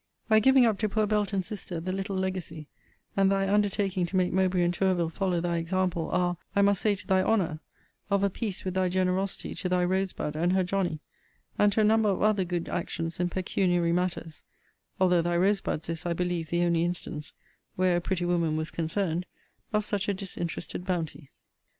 Thy giving up to poor Belton's sister the little legacy, and thy undertaking to make Mowbray and Tourville follow thy example, are, I must say to thy honour, of a piece with thy generosity to thy Rose bud and her Johnny; and to a number of other good actions in pecuniary matters: although thy Rose bud's is, I believe, the only instance, where a pretty woman was concerned, of such a disinterested bounty.